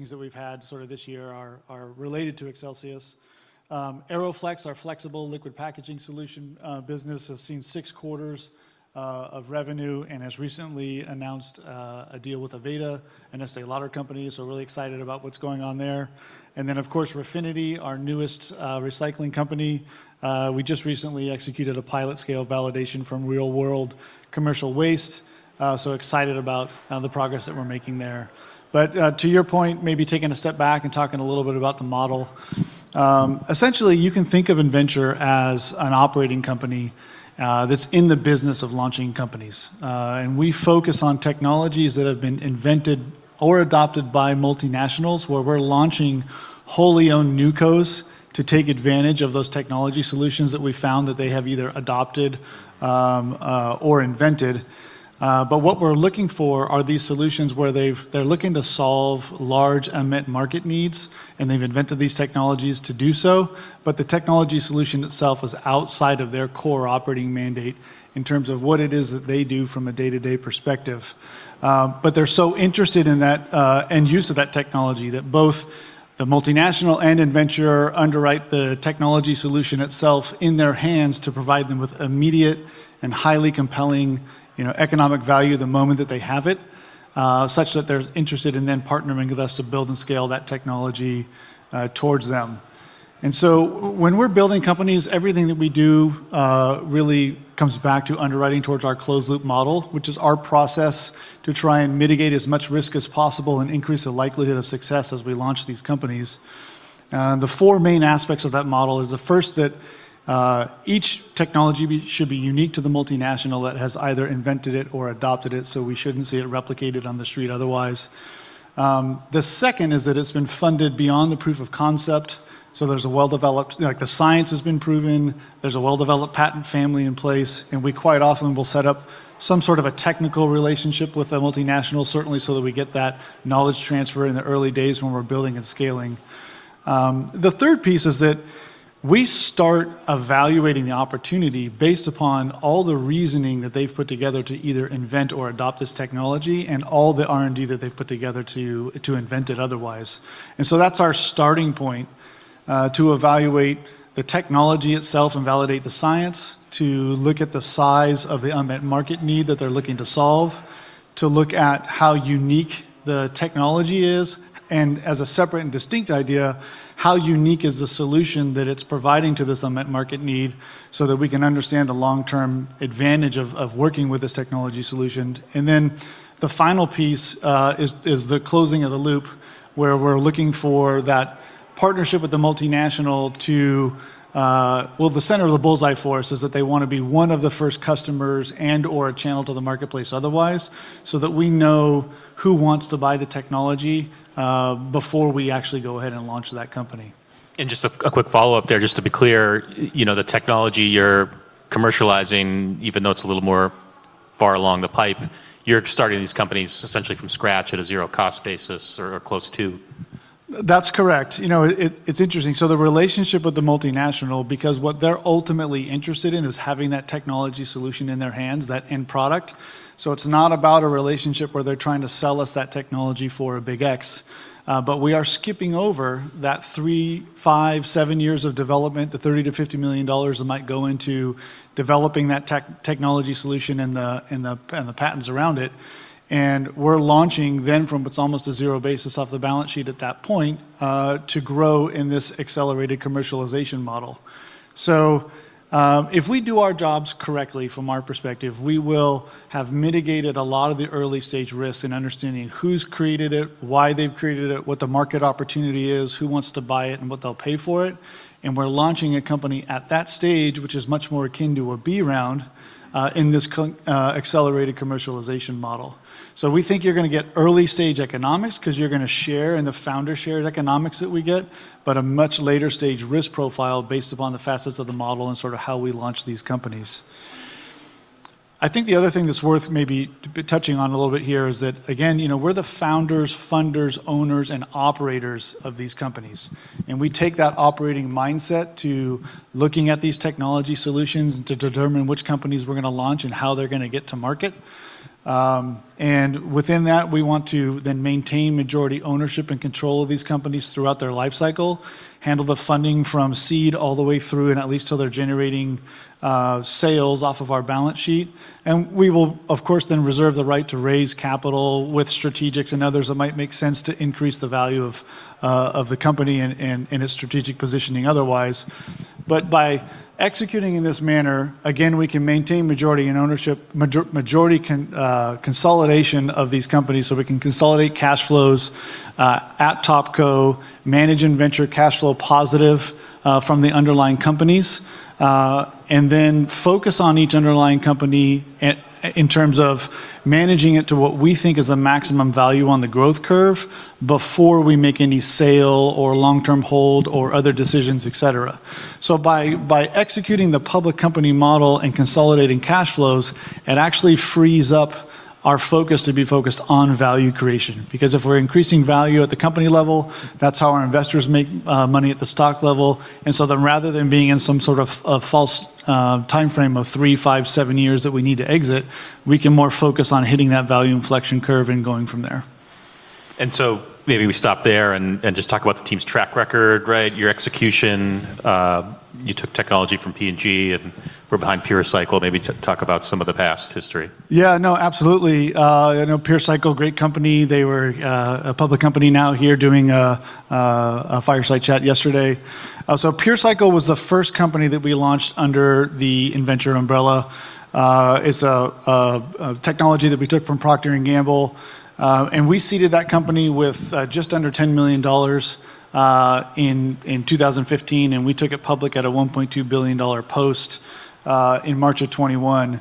Things that we've had sort of this year are related to Accelsius. AeroFlexx, our flexible liquid packaging solution, business has seen six quarters of revenue and has recently announced a deal with Aveda, an Estée Lauder company. We're really excited about what's going on there. Then of course, Refinity, our newest recycling company. We just recently executed a pilot scale validation from real world commercial waste, so excited about the progress that we're making there. To your point, maybe taking a step back and talking a little bit about the model. Essentially, you can think of Innventure as an operating company that's in the business of launching companies. We focus on technologies that have been invented or adopted by multinationals, where we're launching wholly owned newcos to take advantage of those technology solutions that we found that they have either adopted or invented. What we're looking for are these solutions where they're looking to solve large unmet market needs, and they've invented these technologies to do so. The technology solution itself is outside of their core operating mandate in terms of what it is that they do from a day-to-day perspective. They're so interested in that end use of that technology that both the multinational and Innventure underwrite the technology solution itself in their hands to provide them with immediate and highly compelling, you know, economic value the moment that they have it, such that they're interested in then partnering with us to build and scale that technology towards them. When we're building companies, everything that we do really comes back to underwriting towards our closed loop model, which is our process to try and mitigate as much risk as possible and increase the likelihood of success as we launch these companies. The four main aspects of that model is the first that each technology should be unique to the multinational that has either invented it or adopted it, so we shouldn't see it replicated on the street otherwise. The second is that it's been funded beyond the proof of concept, so there's a well-developed, like, the science has been proven, there's a well-developed patent family in place, and we quite often will set up some sort of a technical relationship with a multinational, certainly, so that we get that knowledge transfer in the early days when we're building and scaling. The third piece is that we start evaluating the opportunity based upon all the reasoning that they've put together to either invent or adopt this technology and all the R&D that they've put together to invent it otherwise. That's our starting point to evaluate the technology itself and validate the science, to look at the size of the unmet market need that they're looking to solve, to look at how unique the technology is, and as a separate and distinct idea, how unique is the solution that it's providing to this unmet market need so that we can understand the long-term advantage of working with this technology solution. The final piece is the closing of the loop, where we're looking for that partnership with the multinational to, well, the center of the bull's-eye for us is that they wanna be one of the first customers and/or a channel to the marketplace otherwise, so that we know who wants to buy the technology before we actually go ahead and launch that company. Just a quick follow-up there, just to be clear, you know, the technology you're commercializing, even though it's a little more far along the pipe, you're starting these companies essentially from scratch at a zero cost basis or close to? That's correct. You know, it's interesting. The relationship with the multinational, because what they're ultimately interested in is having that technology solution in their hands, that end product. It's not about a relationship where they're trying to sell us that technology for a big X. We are skipping over that three, five, seven years of development, the $30 million-$50 million that might go into developing that technology solution and the patents around it, and we're launching then from what's almost a zero basis off the balance sheet at that point, to grow in this accelerated commercialization model. If we do our jobs correctly from our perspective, we will have mitigated a lot of the early-stage risks in understanding who's created it, why they've created it, what the market opportunity is, who wants to buy it, and what they'll pay for it, and we're launching a company at that stage, which is much more akin to a B round in this accelerated commercialization model. We think you're gonna get early-stage economics 'cause you're gonna share in the founder shared economics that we get, but a much later stage risk profile based upon the facets of the model and sort of how we launch these companies. I think the other thing that's worth maybe touching on a little bit here is that, again, you know, we're the founders, funders, owners, and operators of these companies, and we take that operating mindset to looking at these technology solutions and to determine which companies we're gonna launch and how they're gonna get to market. Within that, we want to then maintain majority ownership and control of these companies throughout their life cycle, handle the funding from seed all the way through and at least till they're generating sales off of our balance sheet. We will, of course, then reserve the right to raise capital with strategics and others that might make sense to increase the value of the company and in its strategic positioning otherwise. By executing in this manner, again, we can maintain majority in ownership, majority consolidation of these companies so we can consolidate cash flows at topco, manage Innventure cash flow positive from the underlying companies, and then focus on each underlying company in terms of managing it to what we think is a maximum value on the growth curve before we make any sale or long-term hold or other decisions, et cetera. By executing the public company model and consolidating cash flows, it actually frees up our focus to be focused on value creation. Because if we're increasing value at the company level, that's how our investors make money at the stock level. Rather than being in some sort of false timeframe of three, five, seven years that we need to exit, we can more focus on hitting that value inflection curve and going from there. Maybe we stop there and just talk about the team's track record, right? Your execution. You took technology from P&G and were behind PureCycle. Maybe talk about some of the past history. Yeah, no, absolutely. You know, PureCycle, great company. They were a public company now here doing a Fireside Chat yesterday. PureCycle was the first company that we launched under the Innventure umbrella. It's a technology that we took from Procter and Gamble, and we seeded that company with just under $10 million in 2015, and we took it public at a $1.2 billion post in March 2021.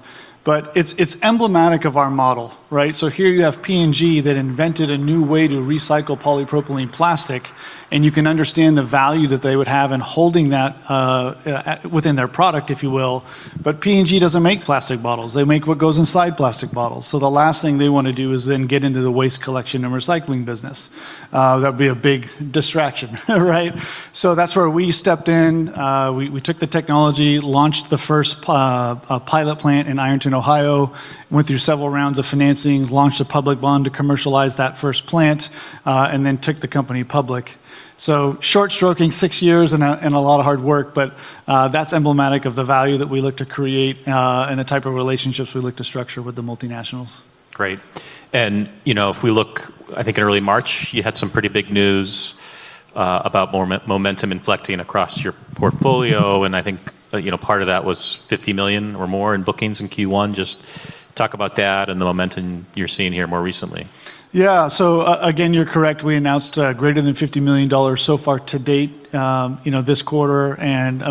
It's emblematic of our model, right? Here you have P&G that invented a new way to recycle polypropylene plastic, and you can understand the value that they would have in holding that within their product, if you will. P&G doesn't make plastic bottles. They make what goes inside plastic bottles, so the last thing they wanna do is then get into the waste collection and recycling business. That'd be a big distraction, right? That's where we stepped in. We took the technology, launched the first pilot plant in Ironton, Ohio, went through several rounds of financings, launched a public bond to commercialize that first plant, and then took the company public. Short stroking, six years and a lot of hard work, but that's emblematic of the value that we look to create, and the type of relationships we look to structure with the multinationals. Great. You know, if we look, I think in early March, you had some pretty big news about more momentum inflecting across your portfolio, and I think, you know, part of that was 50 million or more in bookings in Q1. Just talk about that and the momentum you're seeing here more recently. Yeah. Again, you're correct. We announced greater than $50 million so far to date, this quarter, and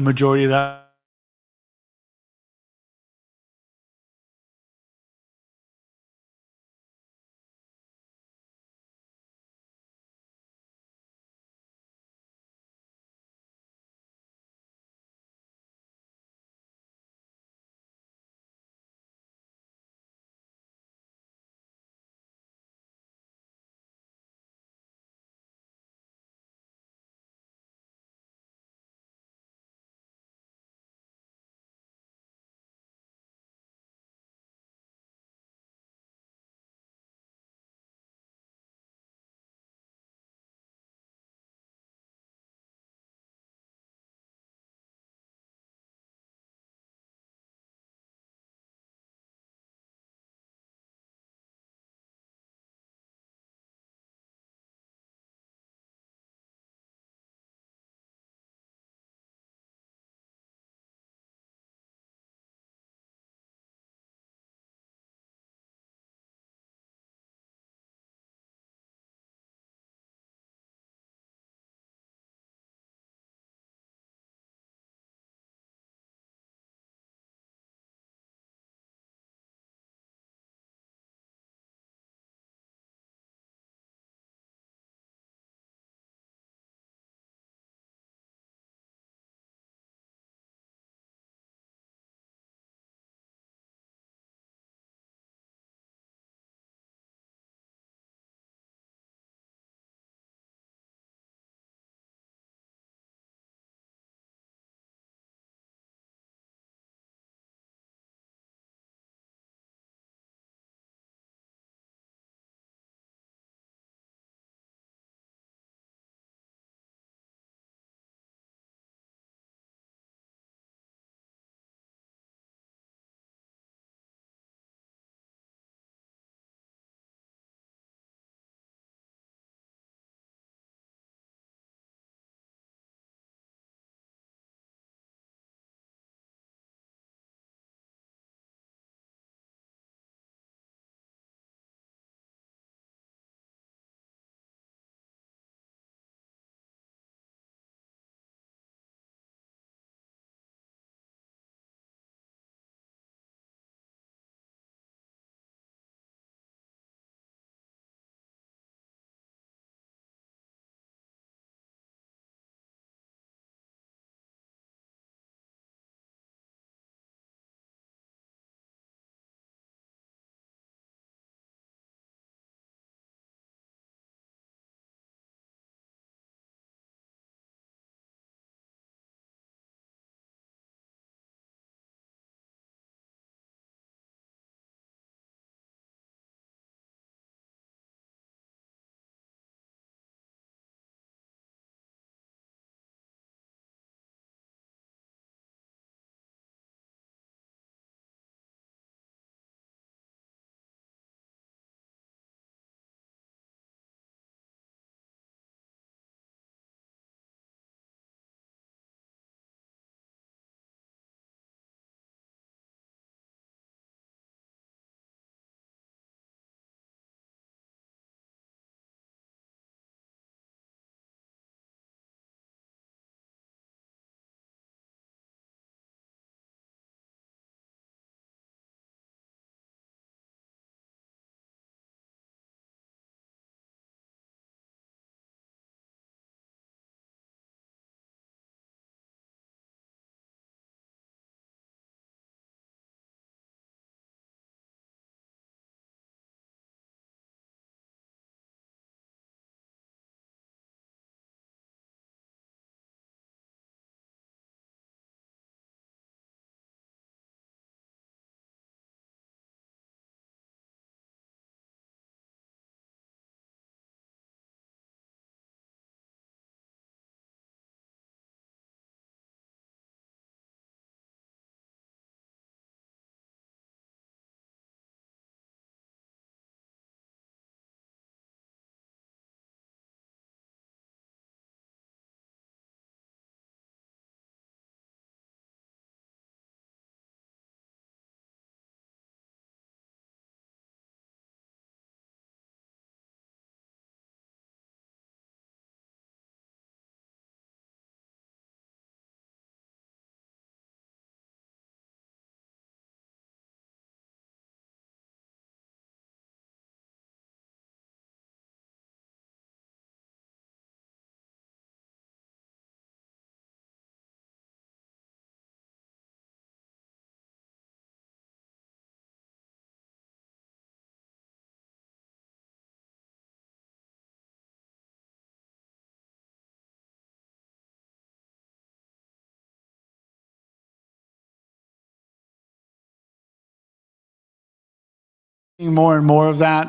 more and more of that,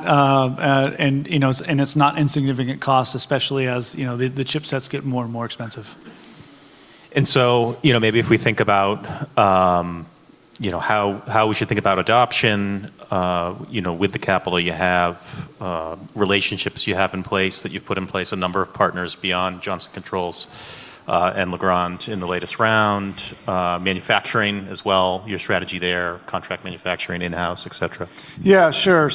and it's not insignificant cost, especially as the chipsets get more and more expensive. You know, maybe if we think about, you know, how we should think about adoption, you know, with the capital you have, relationships you have in place that you've put in place, a number of partners beyond Johnson Controls, and Legrand in the latest round, manufacturing as well, your strategy there, contract manufacturing in-house, et cetera. Yeah, sure.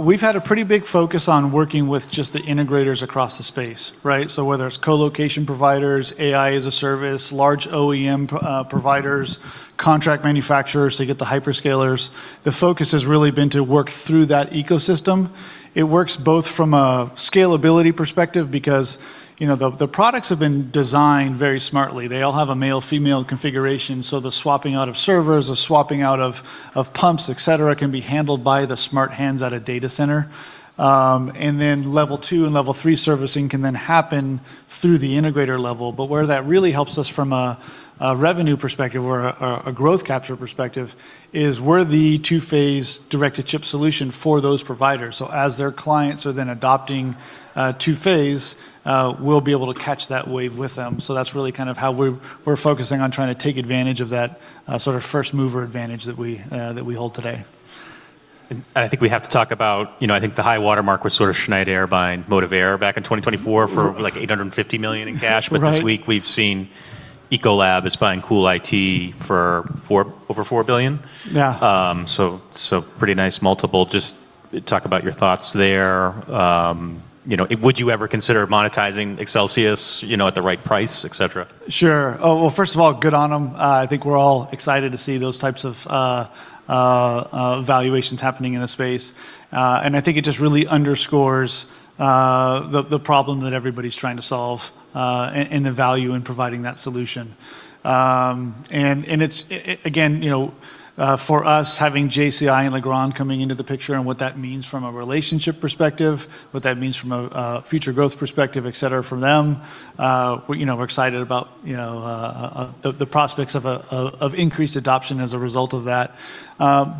We've had a pretty big focus on working with just the integrators across the space, right? Whether it's co-location providers, AI as a service, large OEM providers, contract manufacturers to get the hyperscalers, the focus has really been to work through that ecosystem. It works both from a scalability perspective because, you know, the products have been designed very smartly. They all have a male-female configuration, so the swapping out of servers, the swapping out of pumps, et cetera, can be handled by the smart hands at a data center. Then level two and level three servicing can then happen through the integrator level. Where that really helps us from a revenue perspective or a growth capture perspective is we're the two-phase direct-to-chip solution for those providers. As their clients are then adopting, two-phase, we'll be able to catch that wave with them. That's really kind of how we're focusing on trying to take advantage of that, sort of first mover advantage that we hold today. I think we have to talk about, you know, I think the high watermark was sort of Schneider buying Motivair back in 2024 for like $850 million in cash. Right. This week we've seen Ecolab is buying CoolIT for over 4 billion. Yeah. Pretty nice multiple. Just talk about your thoughts there. You know, would you ever consider monetizing Accelsius, you know, at the right price, et cetera? Sure. Well, first of all, good on them. I think we're all excited to see those types of valuations happening in the space. I think it just really underscores the problem that everybody's trying to solve, and the value in providing that solution. It's again, you know, for us having JCI and Legrand coming into the picture and what that means from a relationship perspective, what that means from a future growth perspective, et cetera, from them, we, you know, we're excited about, you know, the prospects of increased adoption as a result of that.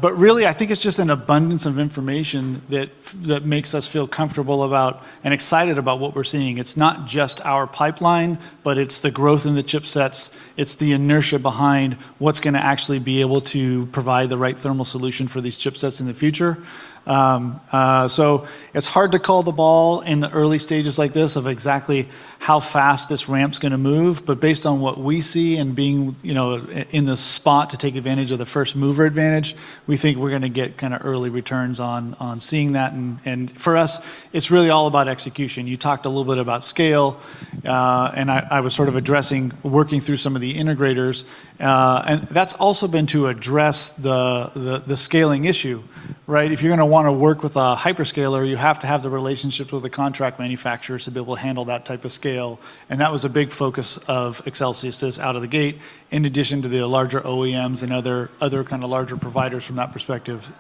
Really, I think it's just an abundance of information that makes us feel comfortable about and excited about what we're seeing. It's not just our pipeline, but it's the growth in the chipsets. It's the inertia behind what's gonna actually be able to provide the right thermal solution for these chipsets in the future. It's hard to call the ball in the early stages like this of exactly how fast this ramp's gonna move. Based on what we see and being, you know, in the spot to take advantage of the first mover advantage, we think we're gonna get kinda early returns on seeing that. For us, it's really all about execution. You talked a little bit about scale, and I was sort of addressing working through some of the integrators, and that's also been to address the scaling issue, right? If you're gonna wanna work with a hyperscaler, you have to have the relationships with the contract manufacturers to be able to handle that type of scale, and that was a big focus of Accelsius out of the gate, in addition to the larger OEMs and other kinda larger providers from that perspective.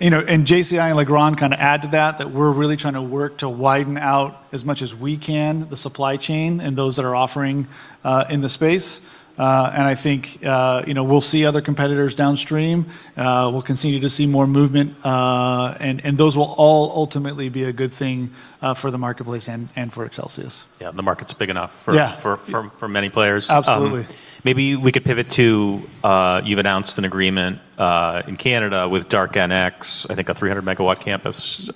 You know, and JCI and Legrand kinda add to that we're really trying to work to widen out as much as we can the supply chain and those that are offering in the space. I think, you know, we'll see other competitors downstream. We'll continue to see more movement. Those will all ultimately be a good thing for the marketplace and for Accelsius. Yeah. The market's big enough for. Yeah for many players. Absolutely. Maybe we could pivot to, you've announced an agreement in Canada with DASTOR, I think a 300 MW campus.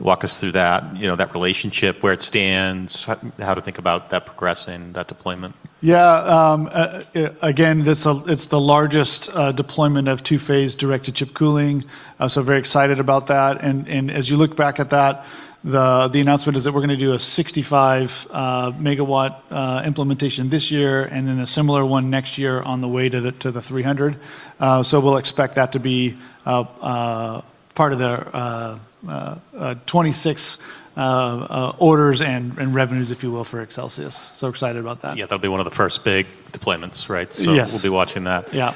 Walk us through that, you know, that relationship, where it stands, how to think about that progressing, that deployment. Yeah. Again, this is the largest deployment of two-phase direct-to-chip cooling, so very excited about that. As you look back at that, the announcement is that we're gonna do a 65 MW implementation this year and then a similar one next year on the way to the 300. We'll expect that to be part of the 2026 orders and revenues, if you will, for Accelsius. Excited about that. Yeah. That'll be one of the first big deployments, right? Yes. We'll be watching that. Yeah.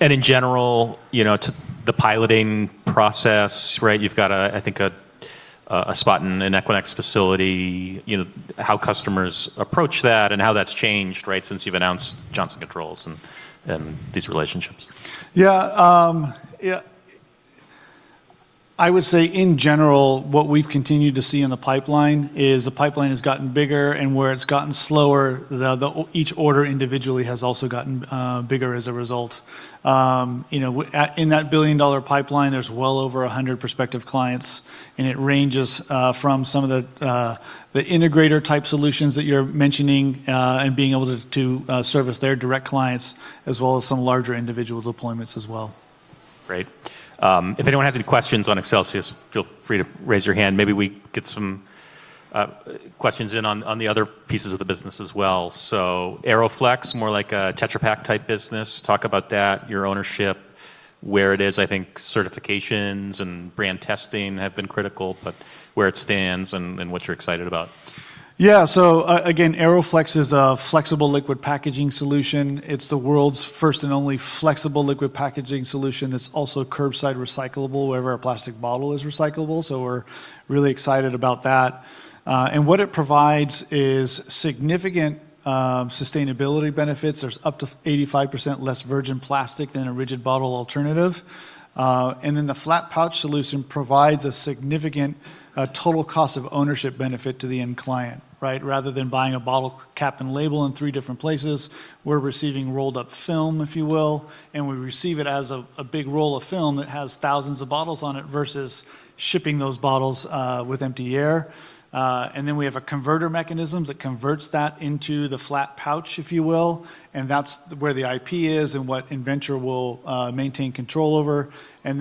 In general, you know, to the piloting process, right, you've got, I think, a spot in an Equinix facility, you know, how customers approach that and how that's changed, right, since you've announced Johnson Controls and these relationships. Yeah. I would say in general, what we've continued to see in the pipeline is the pipeline has gotten bigger, and where it's gotten slower, each order individually has also gotten bigger as a result. You know, in that billion-dollar pipeline, there's well over 100 prospective clients, and it ranges from some of the integrator-type solutions that you're mentioning, and being able to service their direct clients as well as some larger individual deployments as well. Great. If anyone has any questions on Accelsius, feel free to raise your hand. Maybe we get some questions in on the other pieces of the business as well. AeroFlexx, more like a Tetra Pak type business. Talk about that, your ownership, where it is. I think certifications and brand testing have been critical, but where it stands and what you're excited about. Yeah, AeroFlexx is a flexible liquid packaging solution. It's the world's first and only flexible liquid packaging solution that's also curbside recyclable wherever a plastic bottle is recyclable. We're really excited about that. What it provides is significant sustainability benefits. There is up to 85% less virgin plastic than a rigid bottle alternative. The flat pouch solution provides a significant total cost of ownership benefit to the end client, right? Rather than buying a bottle cap and label in three different places, we're receiving rolled up film, if you will, and we receive it as a big roll of film that has thousands of bottles on it versus shipping those bottles with empty air. We have a converter mechanism that converts that into the flat pouch, if you will, and that's where the IP is and what Innventure will maintain control over. We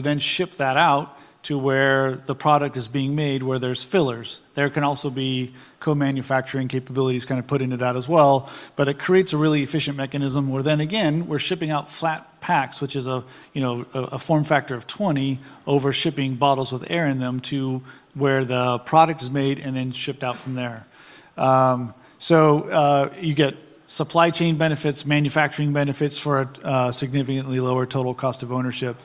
then ship that out to where the product is being made, where there's fillers. There can also be co-manufacturing capabilities kinda put into that as well. It creates a really efficient mechanism where then again, we're shipping out flat packs, which is a, you know, form factor of 20 over shipping bottles with air in them to where the product is made and then shipped out from there. You get supply chain benefits, manufacturing benefits for a significantly lower total cost of ownership.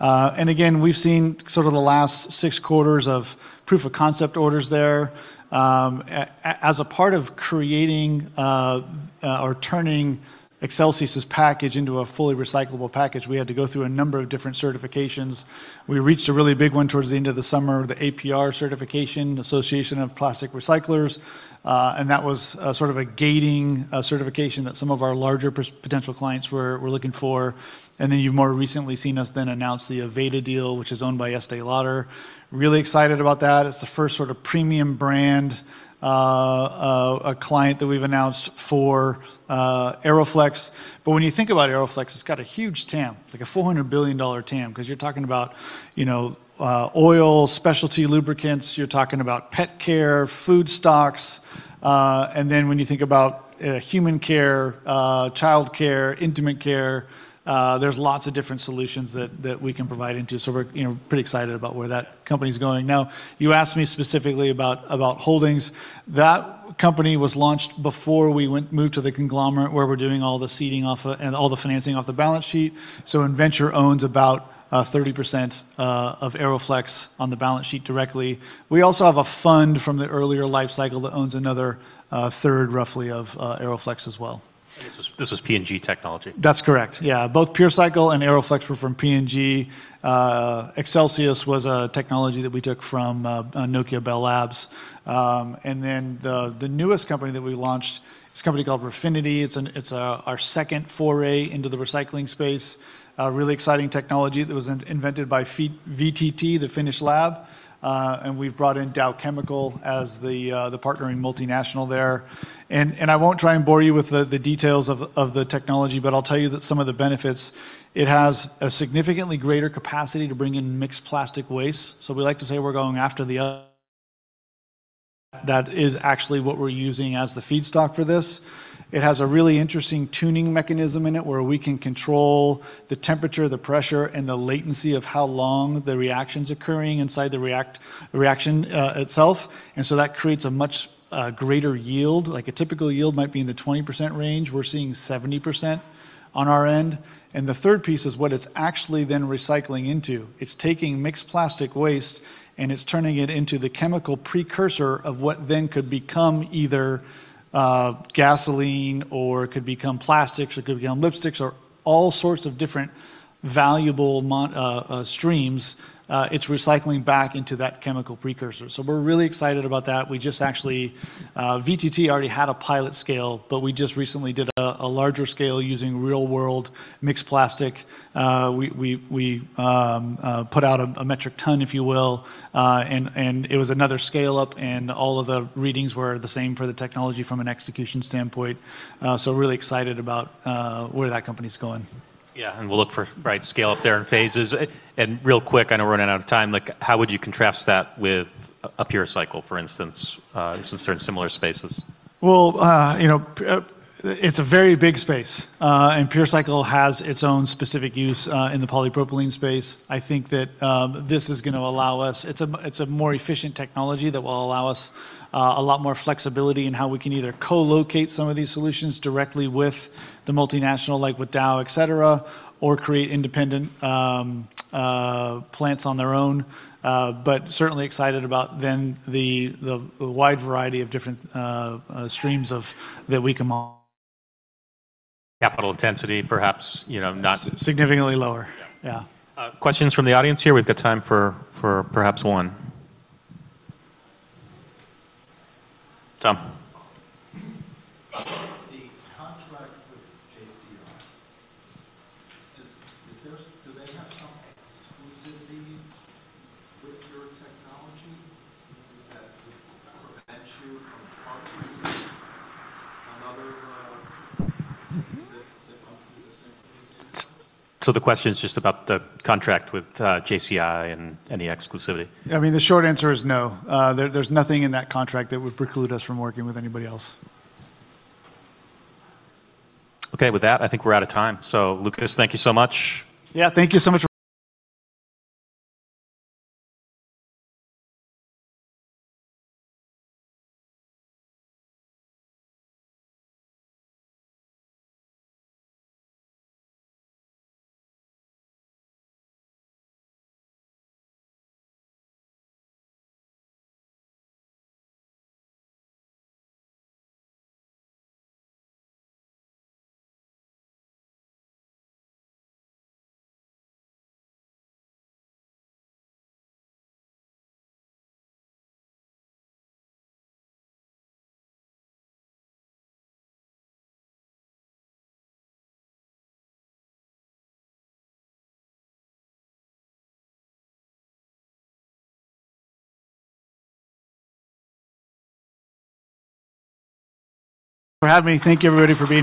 Again, we've seen sort of the last six quarters of proof of concept orders there. As a part of creating or turning Accelsius's package into a fully recyclable package, we had to go through a number of different certifications. We reached a really big one towards the end of the summer, the APR certification, Association of Plastic Recyclers, and that was sort of a gating certification that some of our larger potential clients were looking for. Then you've more recently seen us then announce the Aveda deal, which is owned by Estée Lauder. Really excited about that. It's the first sort of premium brand a client that we've announced for AeroFlexx. When you think about AeroFlexx, it's got a huge TAM, like a $400 billion TAM, 'cause you're talking about, you know, oil, specialty lubricants, you're talking about pet care, food stocks, and then when you think about human care, childcare, intimate care, there's lots of different solutions that we can provide into. We're, you know, pretty excited about where that company's going. Now, you asked me specifically about holdings. That company was launched before we moved to the conglomerate, where we're doing all the seeding off of balance sheet and all the financing off the balance sheet. Innventure owns about 30% of AeroFlexx on the balance sheet directly. We also have a fund from the earlier life cycle that owns another third, roughly, of AeroFlexx as well. This was P&G Technology. That's correct. Yeah. Both PureCycle and AeroFlexx were from P&G. Accelsius was a technology that we took from Nokia Bell Labs. The newest company that we launched is a company called Refinity. It's our second foray into the recycling space. A really exciting technology that was invented by VTT, the Finnish lab. We've brought in Dow Chemical as the partnering multinational there. I won't try and bore you with the details of the technology, but I'll tell you that some of the benefits, it has a significantly greater capacity to bring in mixed plastic waste. We like to say we're going after the trash that is actually what we're using as the feedstock for this. It has a really interesting tuning mechanism in it, where we can control the temperature, the pressure, and the latency of how long the reaction's occurring inside the reaction itself. That creates a much greater yield. Like a typical yield might be in the 20% range. We're seeing 70% on our end. The third piece is what it's actually then recycling into. It's taking mixed plastic waste, and it's turning it into the chemical precursor of what then could become either gasoline or could become plastics or could become lipsticks or all sorts of different valuable monomer streams. It's recycling back into that chemical precursor. We're really excited about that. VTT already had a pilot scale, but we just recently did a larger scale using real-world mixed plastic. We put out a metric ton, if you will, and it was another scale-up, and all of the readings were the same for the technology from an execution standpoint. Really excited about where that company's going. Yeah. We'll look for, right, scale up there in phases. Real quick, I know we're running out of time, like how would you contrast that with a PureCycle, for instance? It's in certain similar spaces. Well, you know, it's a very big space, and PureCycle has its own specific use in the polypropylene space. I think that it's a more efficient technology that will allow us a lot more flexibility in how we can either co-locate some of these solutions directly with the multinational, like with Dow, et cetera, or create independent plants on their own. Certainly excited about the wide variety of different streams that we can mo- Capital intensity, perhaps, you know. Significantly lower. Yeah. Yeah. Questions from the audience here. We've got time for perhaps one. Tom. The contract with JCI, do they have some exclusivity with your technology that would prevent you from partnering with another that wants to do the same thing? The question is just about the contract with JCI and any exclusivity. I mean, the short answer is no. There's nothing in that contract that would preclude us from working with anybody else. Okay. With that, I think we're out of time. Lucas, thank you so much. Yeah. Thank you so much for.